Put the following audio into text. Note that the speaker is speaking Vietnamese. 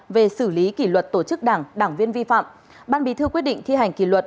về xử lý kỷ luật tổ chức đảng đảng viên vi phạm ban bí thư quyết định thi hành kỷ luật